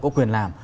có quyền làm